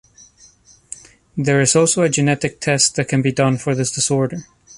There is also a genetic test that can be done for this disorder.